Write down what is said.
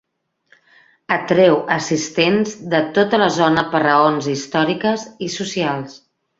Atreu assistents de tota la zona per raons històriques i socials.